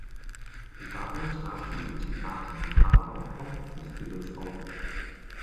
Dabei trat sie in Theatern aber auch auf Festivals auf.